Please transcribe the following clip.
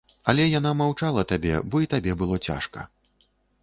Але яна маўчала табе, бо і табе было цяжка.